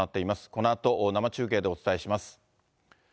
このあと生中継でお伝えします。